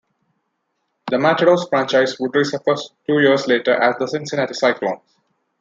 The Matadors franchise would resurface two years later as the Cincinnati Cyclones.